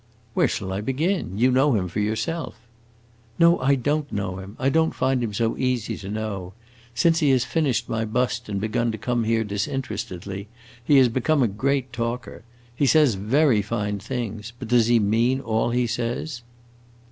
"Where shall I begin? You know him for yourself." "No, I don't know him; I don't find him so easy to know. Since he has finished my bust and begun to come here disinterestedly, he has become a great talker. He says very fine things; but does he mean all he says?"